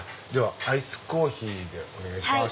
アイスコーヒーでお願いします。